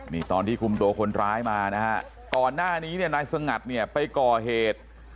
นี่ตอนที่คุมตัวคนร้ายมานะครับตอนหน้านี้นายสงัดไปก่อเหตุ